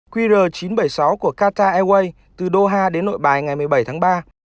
qr chín trăm bảy mươi sáu của qatar airways từ doha đến nội bài ngày một mươi bảy tháng ba